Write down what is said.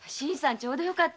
ちょうどよかった。